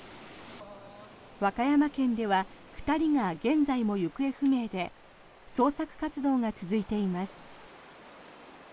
和歌山県では２人が現在も行方不明で捜索活動が続いています。